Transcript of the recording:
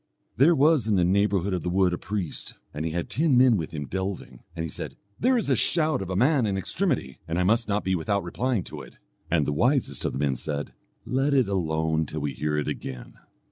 There was in the neighbourhood of the wood a priest, and he had ten men with him delving, and he said, 'There is a shout of a man in extremity and I must not be without replying to it.' And the wisest of the men said, 'Let it alone till we hear it again.'